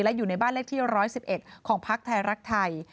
และอยู่ในบ้านเลขที่๑๑๑ของพักไทยรักไทย